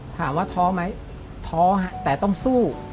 ถามว่าท้อไหมท้อฮะแต่ต้องสู้